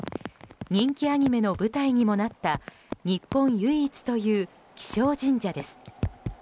人気アニメの舞台にもなった日本唯一という気象神社です。